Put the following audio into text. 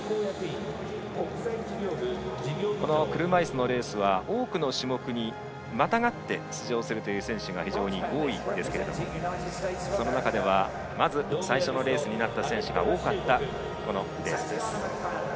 車いすのレースは多くの種目にまたがって出場する選手が多いんですがその中では、まず最初のレースになった選手が多かった、このレース。